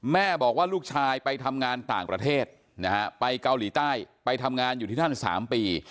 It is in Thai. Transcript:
แม่บอกว่าลูกชายไปทำงานต่างประเทศนะฮะไปเกาหลีใต้ไปทำงานอยู่ที่นั่น๓ปี